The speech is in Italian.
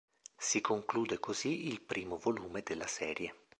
Si conclude così il primo volume della serie.